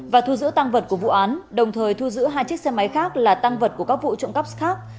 và thu giữ tăng vật của vụ án đồng thời thu giữ hai chiếc xe máy khác là tăng vật của các vụ trộm cắp khác